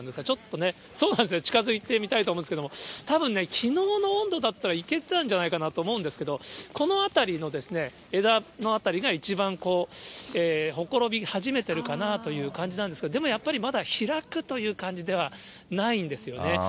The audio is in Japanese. ちょっとね、そうなんですよね、近づいてみたいと思うんですけれども、たぶんね、きのうの温度だったらいけてたんじゃないかなと思うんですが、この辺りの枝の辺りが、一番ほころび始めてるかなという感じなんですけれども、でもやっぱりまだ開くという感じではないんですよね。